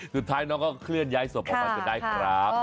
สุดท้ายน้องก็เคลื่อนย้ายศพออกมาจนได้ครับ